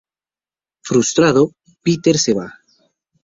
Frustrado, Peter se va.